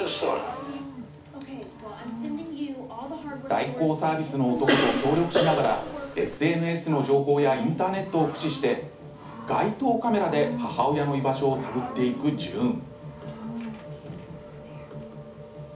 代行サービスの男と協力しながらＳＮＳの情報やインターネットを駆使して街頭カメラで母親の居場所を探っていくジューン。